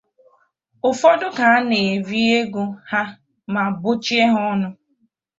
Ụfọdụ ka a na-eri ego ha ma bochie ha ọnụ